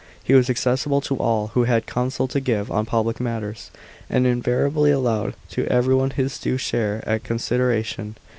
He was accessible to all who had counsel to give on public matters, and invariably allowed to everyone his due share ot C"nsideration.